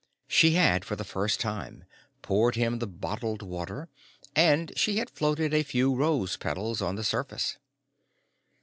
She had for the first time poured him the bottled water, and she had floated a few rose petals on the surface.